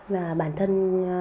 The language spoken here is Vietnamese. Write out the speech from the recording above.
và bản thân